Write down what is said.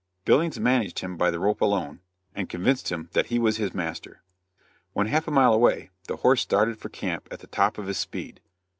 Billings managed him by the rope alone, and convinced him that he was his master. When half a mile away, the horse started for camp at the top of his speed.